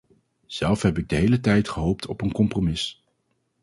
Zelf heb ik de hele tijd gehoopt op een compromis.